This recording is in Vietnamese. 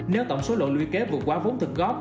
nếu tổng số lỗ lưu kế vượt qua vốn thực góp